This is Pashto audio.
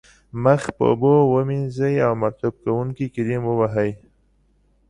مخ په اوبو ومینځئ او مرطوب کوونکی کریم و وهئ.